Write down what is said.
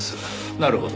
なるほど。